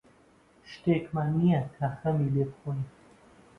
شتێکمان نییە تا خەمی لێ بخۆین.